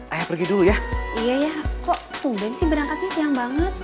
ayah pergi dulu ya iya kok tungguin sih berangkatnya siang banget